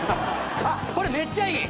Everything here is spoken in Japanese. あっこれめっちゃいい。